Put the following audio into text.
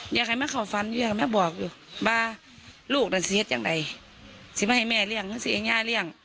อยากให้แม่เข้าฟันอยู่อยากให้แม่บอกอยู่บ่าลูกนั้นสิเฮ็ดจังไหนสิไม่ให้แม่เรียงสิไอ้ย่าเรียง